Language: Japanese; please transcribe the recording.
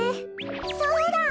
そうだ！